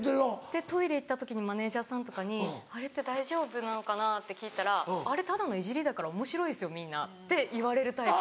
でトイレ行った時にマネジャーさんとかに「あれって大丈夫なのかな？」って聞いたら「あれただのイジリだからおもしろいですよみんな」って言われるタイプ。